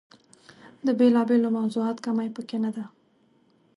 د بېلا بېلو موضوعاتو کمۍ په کې نه ده.